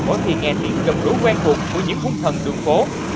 bởi vì nghe tiếng trầm lũ quen thuộc của những hung thần đường phố